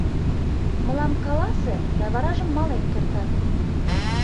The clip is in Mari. — Мылам каласе да варажым мален кертат.